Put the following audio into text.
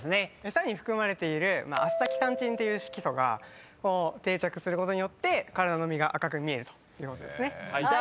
餌に含まれているアスタキサンチンっていう色素が定着することによって体の身が赤く見えるということですね。